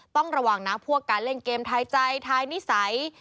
ต้องระวังนะพวกการเล่นเกมทายใจทายนิสัย